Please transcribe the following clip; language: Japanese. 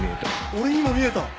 俺にも見えた！